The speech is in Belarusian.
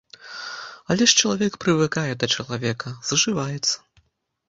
Але ж чалавек прывыкае да чалавека, зжываецца.